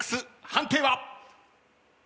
判定は？